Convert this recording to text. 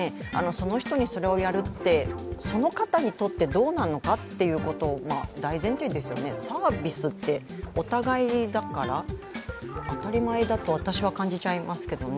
その人にそれをやるって、その方にとってどうなのかということが大前提ですよね、サービスって、お互いだから、当たり前だと私は感じちゃいますけどね。